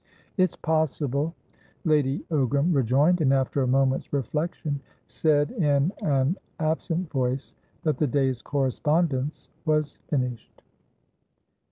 "It's possible," Lady Ogram rejoined, and, after a moment's reflection, said in an absent voice that the day's correspondence was finished.